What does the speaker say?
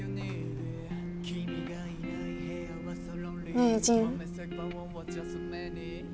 ねえ仁。